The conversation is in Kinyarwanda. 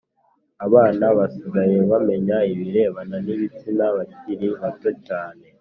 Abana basigaye bamenya ibirebana n ibitsina bakiri bato cyane